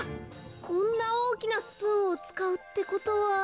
こんなおおきなスプーンをつかうってことは。